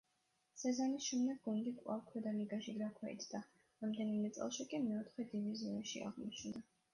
სეზონის შემდეგ გუნდი კვლავ ქვედა ლიგაში დაქვეითდა, რამდენიმე წელში კი მეოთხე დივიზიონში აღმოჩნდა.